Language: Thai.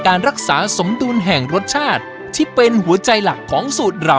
การรักษาสมดุลแห่งรสชาติที่เป็นหัวใจหลักของสูตรเรา